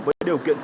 với điều kiện